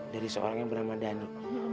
dari seorang yang bernama dhani